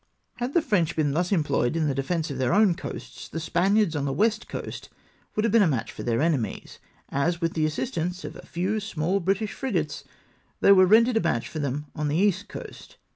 Had tlie French been thus employed in the defence of their own coasts, the Spaniards on the west coast would have been a match for their enemies, as, with the assistance of a few small British frigates, they were rendered a match for them on the east coast.